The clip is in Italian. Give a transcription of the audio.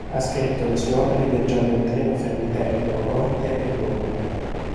Ha scritto le sue opere viaggiando in treno fra Viterbo, Orte e Roma.